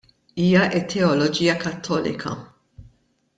Hija t-teoloġija Kattolika.